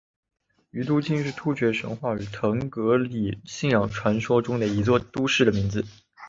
于都斤是突厥神话和腾格里信仰传说中的一座都城的名字。